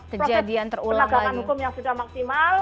proses penegakan hukum yang sudah maksimal